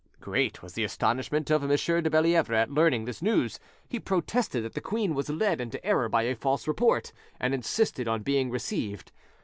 Great was the astonishment of M. de Bellievre at learning this news he protested that the queen was led into error by a false report, and insisted on being received.